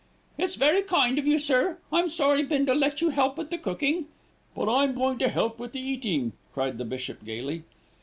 "It's very kind of you, sir. I'm sorry Bindle let you help with the cooking." "But I'm going to help with the eating," cried the bishop gaily.